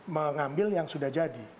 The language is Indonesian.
mengambil yang sudah jadi